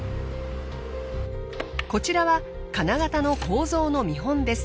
こちらは金型の構造の見本です。